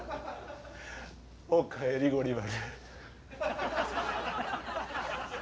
おかえりゴリ丸。